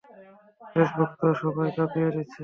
ফেসবুকে তো সবাই কাঁপিয়ে দিচ্ছে!